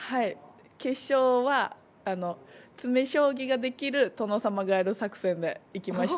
決勝は詰め将棋ができるトノサマガエル作戦でいきました。